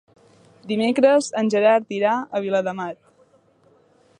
Dimecres en Gerard irà a Viladamat.